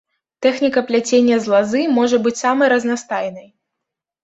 Тэхніка пляцення з лазы можа быць самай разнастайнай.